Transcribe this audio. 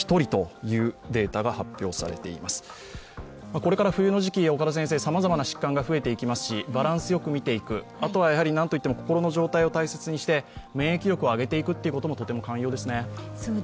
これから冬の時期、さまざまな疾患が増えていきますしバランスよく見ていくあとは何といっても心の状態を大切にして免疫力を上げていくこともとても寛容ですね。